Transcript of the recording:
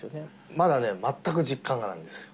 まだね、全く実感がないんです。